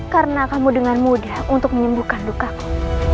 karena kamu dengan mudah untuk menyembuhkan lukaku